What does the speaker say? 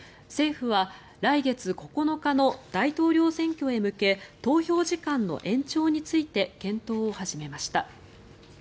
政府は来月９日の大統領選挙へ向け投票時間の延長について検討を始めました。